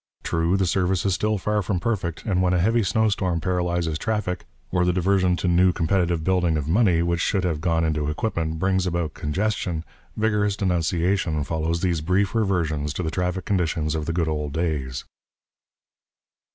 True, the service is still far from perfect, and when a heavy snowstorm paralyses traffic, or the diversion to new competitive building of money which should have gone into equipment brings about congestion, vigorous denunciation follows these brief reversions to the traffic conditions of the good old days.